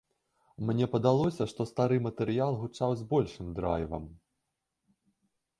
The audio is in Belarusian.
Мне падалося, што стары матэрыял гучаў з большым драйвам.